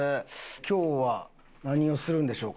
今日は何をするんでしょうかね？